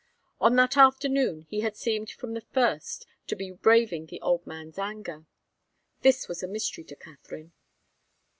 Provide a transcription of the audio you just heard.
On that afternoon he had seemed from the first to be braving the old man's anger. This was a mystery to Katharine.